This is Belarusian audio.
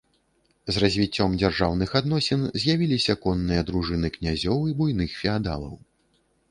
З развіццём дзяржаўных адносін з'явіліся конныя дружыны князёў і буйных феадалаў.